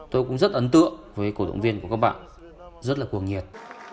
tôi cũng rất ấn tượng với cổ động viên của các bạn rất là cuồng nhiệt